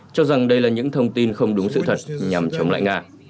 cho rằng đây là những thông tin không đúng sự thật nhằm chống lại nga